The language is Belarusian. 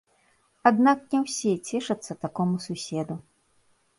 Аднак не ўсе цешацца такому суседу.